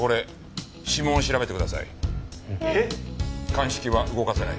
鑑識は動かせない。